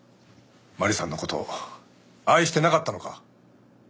麻里さんの事を愛してなかったのか？